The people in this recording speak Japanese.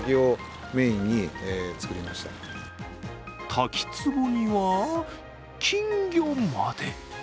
滝つぼには金魚まで。